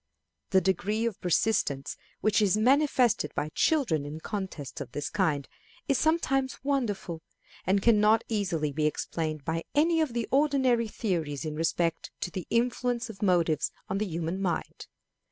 The degree of persistence which is manifested by children in contests of this kind is something wonderful, and can not easily be explained by any of the ordinary theories in respect to the influence of motives on the human mind.